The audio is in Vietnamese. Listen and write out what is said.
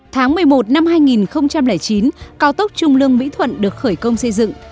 tháng một mươi một năm hai nghìn chín cao tốc trung lương mỹ thuận được khởi công xây dựng